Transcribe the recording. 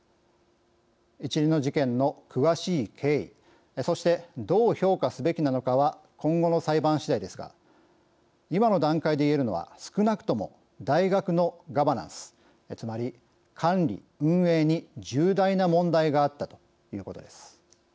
一連の事件の詳しい経緯そしてどう評価すべきなのかは今後の裁判しだいですが今の段階でいえるのは少なくとも大学のガバナンスつまり管理・運営に重大な問題があったということです。